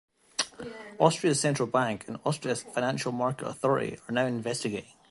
Austria's central bank and Austria's Financial Market Authority are now investigating.